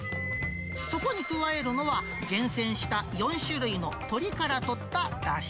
そこに加えるのは、厳選した４種類の鶏から取っただし。